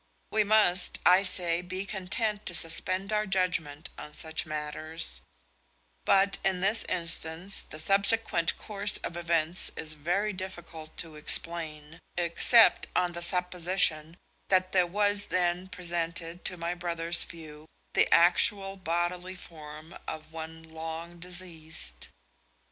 We must, I say, be content to suspend our judgment on such matters; but in this instance the subsequent course of events is very difficult to explain, except on the supposition that there was then presented to my brother's view the actual bodily form of one long deceased.